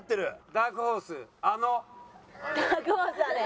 ダークホースだね。